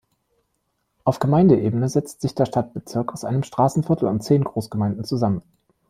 Auf Gemeindeebene setzt sich der Stadtbezirk aus einem Straßenviertel und zehn Großgemeinden zusammen.